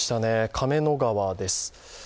亀の川です。